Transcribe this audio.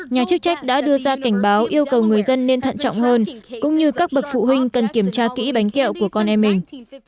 nhà chức trách đã đưa ra cảnh báo yêu cầu người dân nên thận trọng hơn cũng như các bậc phụ huynh cần kiểm tra kỹ bánh kẹo của con em mình